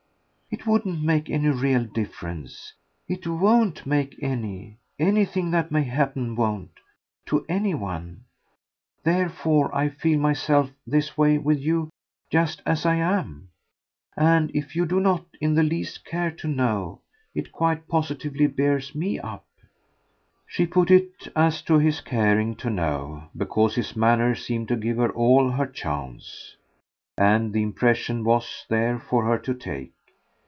It wouldn't make any real difference it WON'T make any, anything that may happen won't to any one. Therefore I feel myself, this way, with you, just as I am; and if you do in the least care to know it quite positively bears me up." She put it as to his caring to know, because his manner seemed to give her all her chance, and the impression was there for her to take.